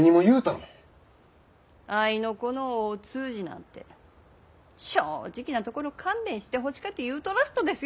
合いの子の大通詞なんて正直なところ勘弁してほしかて言うとらすとですよ。